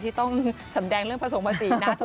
ที่ต้องแสดงเรื่องประสงคมศีร์นะ